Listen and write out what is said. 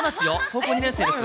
高校２年生です。